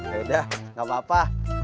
yaudah gak apa apa